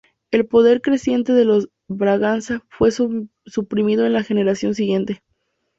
El poder creciente de los Braganza fue suprimido en la generación siguiente.